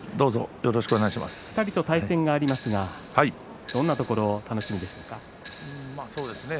２人と対戦がありますがどんなところを楽しみにしていますか？